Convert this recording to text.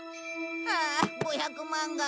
ああ５００万が。